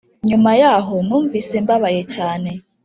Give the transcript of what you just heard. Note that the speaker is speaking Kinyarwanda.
Nyuma yaho numvise mbabaye cyane